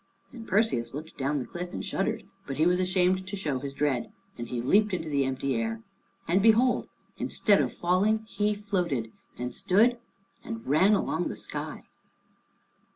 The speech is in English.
Then Perseus looked down the cliff and shuddered, but he was ashamed to show his dread, and he leaped into the empty air. And behold! instead of falling, he floated, and stood, and ran along the sky.